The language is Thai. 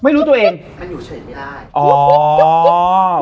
ไม่รู้ตัวเองมันอยู่เฉยไม่ได้อ๋อ